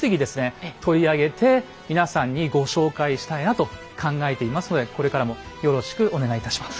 取り上げて皆さんにご紹介したいなと考えていますのでこれからもよろしくお願いいたします。